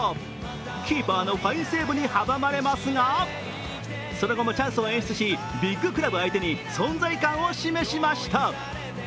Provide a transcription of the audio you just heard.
キーパーのファインセーブに阻まれますがその後もチャンスを演出しビッグクラブ相手に存在感を示しました。